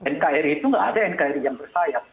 nkri itu nggak ada nkri yang bersayap